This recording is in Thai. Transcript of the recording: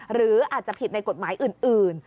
หรืออาจจะผิดในกฎหมายอื่น